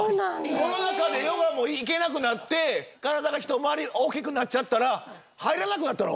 コロナ禍でヨガも行けなくなって体が一回り大きくなっちゃったら入らなくなったの？